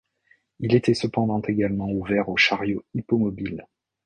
Il était cependant également ouvert aux chariots hippomobiles.